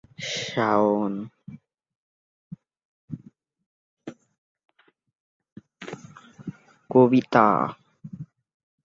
এই অসাধারণ রহস্যময় কবিতায় এটি একটি পুনরাবৃত্ত বিষয় হয়ে উঠবে।